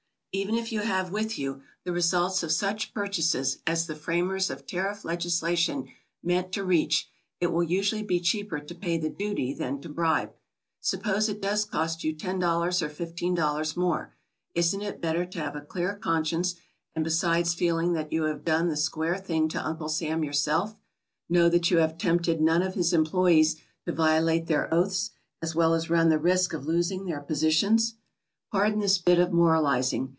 Even if you have with you the results of such purchases as the framers of tariff legislation meant to reach, it will usually be cheaper to pay the duty than to bribe. Suppose it does cost you $io or $15 more, isn't it better to have a clear conscience, and besides feeling that you have done the square thing to Uncle Sam yourself, know that you have tempted none of his employees to violate their oaths, as well as run the risk of losing their positions? Pardon this bit of moralizing.